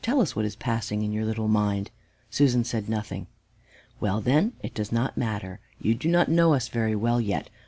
"Tell us what is passing in your little mind." Susan said nothing. "Well then, it does not matter. You do not know us very well yet.